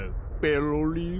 ペロリン。